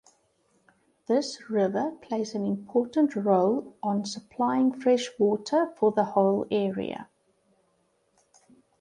This river plays an important role on supplying fresh water for the whole area.